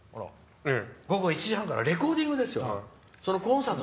午後１時からレコーディングですよ。